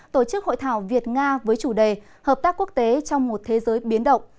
tổ chức hội thảo việt nga với chủ đề hợp tác quốc tế trong một thế giới biến động